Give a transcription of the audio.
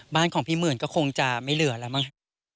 บ้านของพี่หมื่นก็คงจะไม่เหลือแล้วมั้ง